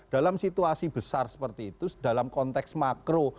dalam situasi besar seperti itu dalam konteks makro